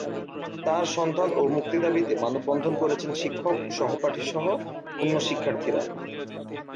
তাঁর সন্ধান ও মুক্তি দাবিতে মানববন্ধন করেছেন শিক্ষক, সহপাঠীসহ অন্য শিক্ষার্থীরা।